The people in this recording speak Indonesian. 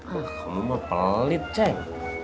ah kamu mah pelit cenk